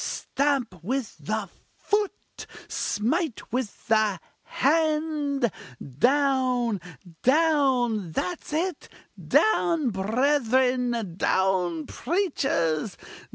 stamp with the foot! smite with the hand! down! down! that's it down brethren! down preachers!